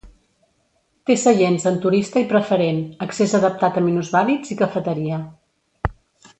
Té seients en turista i preferent, accés adaptat a minusvàlids i cafeteria.